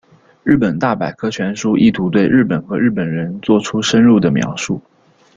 日本大百科全书意图对日本和日本人作出深入的描述。